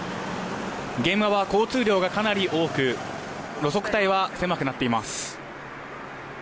現場は交通量がかなり多く路側帯は狭くなっています。